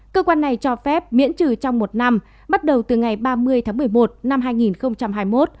cơ quan này cho phép miễn trừ trong một năm bắt đầu từ ngày ba mươi tháng một mươi một năm hai nghìn hai mươi một